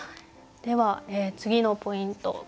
では次のポイント